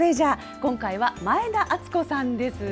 今回は前田敦子さんです。